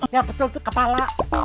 ya betul tuh kepala